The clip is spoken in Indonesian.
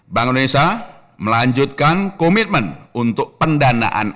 bank indonesia melanjutkan komitmen untuk pendanaan